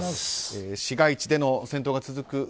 市街地での戦闘が続く